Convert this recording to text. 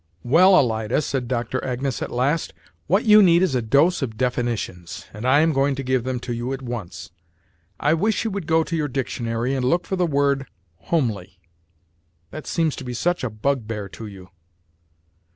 "Well, Alida," said Doctor Agnes at last, "what you need is a dose of definitions, and I am going to give them to you at once. I wish you would go to your dictionary and look for the word 'homely.' That seems to be such a bugbear to you."